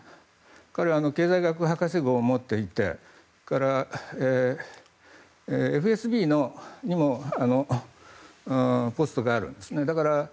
彼は経済学博士号を持っていてＦＳＢにもポストがあるんですね。